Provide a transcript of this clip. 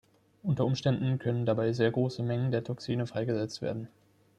Unter Umständen können dabei sehr große Mengen der Toxine freigesetzt werden.